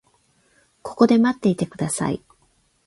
ここで待っていてください。